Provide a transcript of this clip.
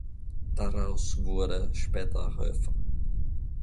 Daraus wurde später Höver.